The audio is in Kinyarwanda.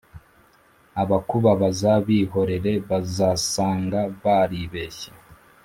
abakubabaza bihorere bazasanga baribeshye